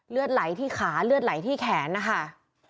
เลือดไหลที่ขาเลือดไหลที่แขนนะคะ